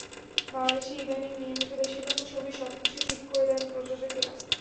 বাংলাদেশে ইদানীং নির্মিত বেশির ভাগ ছবির সবকিছু ঠিক করে দেন প্রযোজকেরা।